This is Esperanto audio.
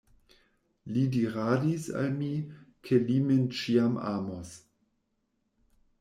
Li diradis al mi, ke li min ĉiam amos.